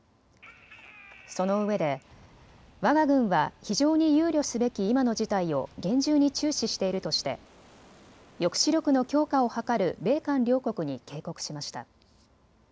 そのうえでわが軍は非常に憂慮すべき今の事態を厳重に注視しているとして抑止力の強化を図る米韓両国に警告しました。